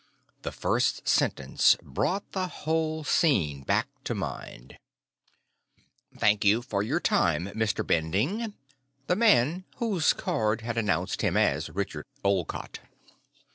The first sentence brought the whole scene back to mind. "Thank you for your time, Mr. Bending," the man whose card had announced him as Richard Olcott.